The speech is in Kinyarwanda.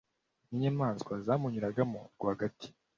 w’inyamaswa zawunyuranagamo rwagati,